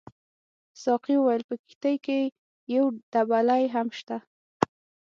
ساقي وویل په کښتۍ کې یو دبلۍ هم شته.